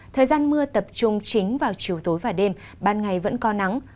thời gian mưa tập trung chính vào chiều tối và đêm ban ngày vẫn có nắng